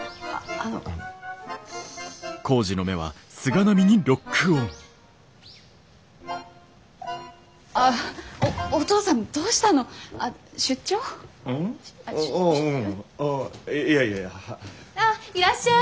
ああいらっしゃい。